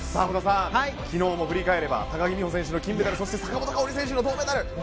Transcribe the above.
織田さん、昨日を振り返れば高木美帆選手の金メダルそして坂本花織選手の銅メダル。